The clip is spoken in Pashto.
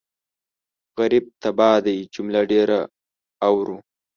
غريب تباه دی جمله ډېره اورو